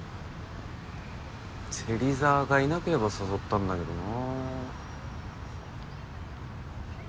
芹沢がいなければ誘ったんだけどな。